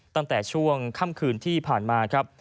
ตั้งแต่ช่วงค่ำคืนที่ผ่านมาครับ